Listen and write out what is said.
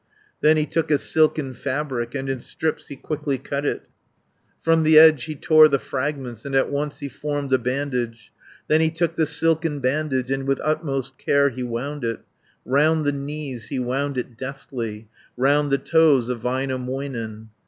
Then he took a silken fabric, And in strips he quickly cut it; 530 From the edge he tore the fragments, And at once he formed a bandage; Then he took the silken bandage, And with utmost care he wound it, Round the knees he wound it deftly, Round the toes of Väinämöinen.